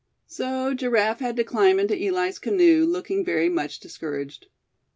So Giraffe had to climb into Eli's canoe, looking very much discouraged.